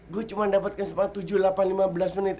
gue cuma dapatkan sempat tujuh delapan lima belas menit